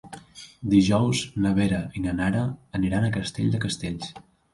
Dijous na Vera i na Nara aniran a Castell de Castells.